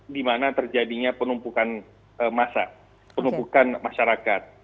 di mana terjadinya penumpukan masa penumpukan masyarakat